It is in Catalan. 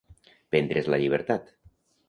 Prendre's la llibertat.